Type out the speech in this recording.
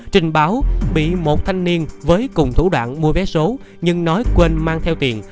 trình báo bị một thanh niên với cùng thủ đoạn mua vé số nhưng nói quên mang theo tiền